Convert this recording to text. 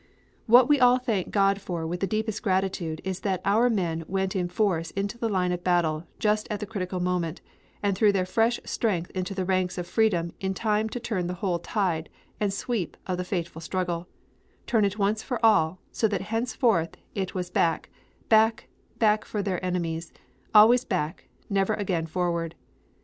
"What we all thank God for with deepest gratitude is that our men went in force into the line of battle just at the critical moment, and threw their fresh strength into the ranks of freedom in time to turn the whole tide and sweep of the fateful struggle turn it once for all, so that henceforth it was back, back, back for their enemies, always back, never again forward!